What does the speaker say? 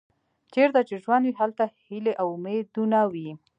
چیرته چې ژوند وي هلته هیلې او امیدونه وي.